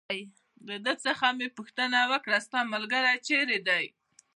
د ده څخه مې پوښتنه وکړل: ستا ملګری چېرې دی؟